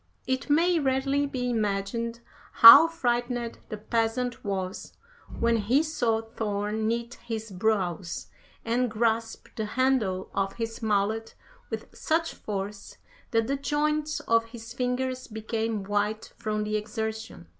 It may readily be imagined how frightened the peasant was when he saw Thor knit his brows, and grasp the handle of his mallet with such force that the joints of his fingers became white from the exertion.